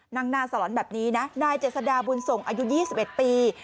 หน้าสลอนแบบนี้นะนายเจษฎาบุญส่งอายุ๒๑ปี